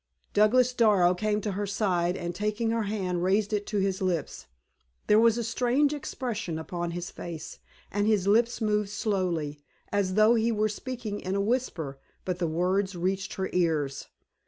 Douglas Darrow came to her side, and taking her hand, raised it to his lips. There was a strange expression upon his face, and his lips moved slowly, as though he were speaking in a whisper; but the words reached her ears.